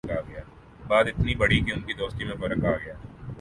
بات اتنی بڑھی کہ ان کی دوستی میں فرق آگیا